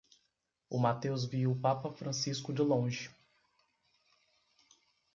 O Mateus viu o Papa Francisco de longe.